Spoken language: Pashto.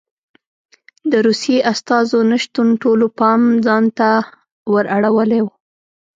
د روسیې استازو نه شتون ټولو پام ځان ته ور اړولی و